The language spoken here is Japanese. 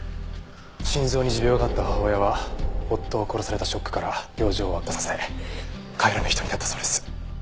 心臓に持病があった母親は夫を殺されたショックから病状を悪化させ帰らぬ人になったそうです。